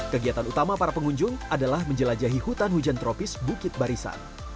kegiatan utama para pengunjung adalah menjelajahi hutan hujan tropis bukit barisan